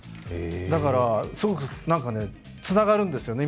だから、すごくつながるんですよね